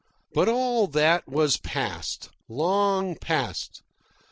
But all that was past, long past.